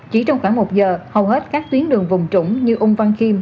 chỉ trong khoảng một giờ hầu hết các tuyến đường vùng trũng như úng văn kim